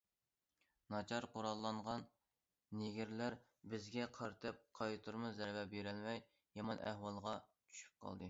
ناچار قوراللانغان نېگىرلار بىزگە قارىتىپ قايتۇرما زەربە بېرەلمەي، يامان ئەھۋالغا چۈشۈپ قالدى.